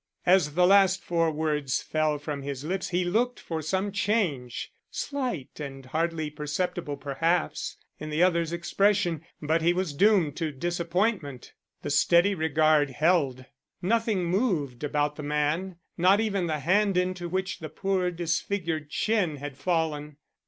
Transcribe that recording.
As the last four words fell from his lips he looked for some change, slight and hardly perceptible perhaps, in the other's expression. But he was doomed to disappointment. The steady regard held, nothing moved about the man, not even the hand into which the poor disfigured chin had fallen.